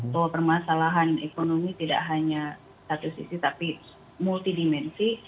bahwa permasalahan ekonomi tidak hanya satu sisi tapi multidimensi